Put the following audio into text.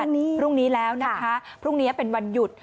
วันนี้พรุ่งนี้แล้วนะคะพรุ่งนี้เป็นวันหยุด